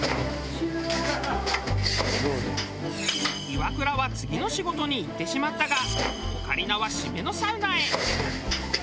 イワクラは次の仕事に行ってしまったがオカリナは締めのサウナへ。